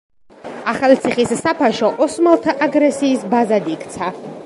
ახალციხის საფაშო ოსმალთა აგრესიის ბაზად იქცა.